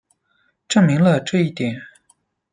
证明了这一点。